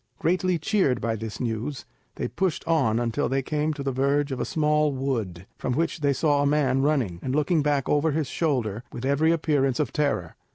Greatly cheered by this news, they pushed on until they came to the verge of a small wood, from which they saw a man running, and looking back over his shoulder with every appearance of terror.